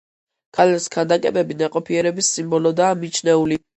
ქალის ქანდაკებები ნაყოფიერების სიმბოლოდაა მიჩნეული.